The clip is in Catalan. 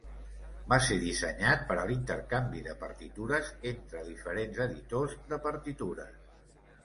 Va ser dissenyat per a l'intercanvi de partitures entre diferents editors de partitures.